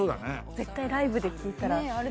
絶対ライブで聴いたら。